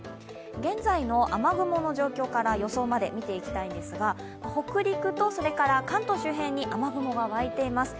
現在の雨雲の状況から予想まで見ていきたいんですが北陸と関東周辺に雨雲が湧いています。